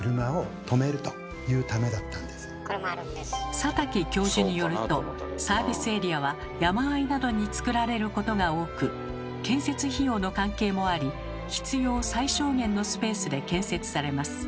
佐滝教授によるとサービスエリアは山あいなどにつくられることが多く建設費用の関係もあり必要最小限のスペースで建設されます。